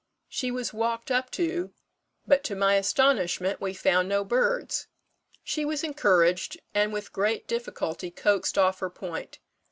She was walked up to, but to my astonishment we found no birds. She was encouraged, and with great difficulty coaxed off her point.